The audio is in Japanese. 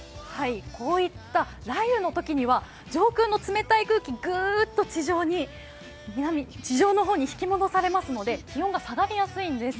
こういった雷雨のときには上空の冷たい空気、ぐーっと地上の方に引き戻されますので気温が下がりやすいんです。